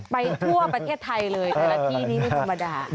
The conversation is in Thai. ทั่วประเทศไทยเลยแต่ละที่นี้ไม่ธรรมดา